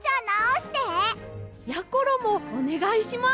やころもおねがいします！